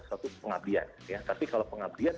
suatu pengabdian ya tapi kalau pengabdian